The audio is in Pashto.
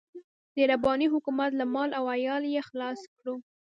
د رباني حکومت له مال او عيال يې خلاص کړو.